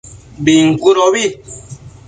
Bincudobi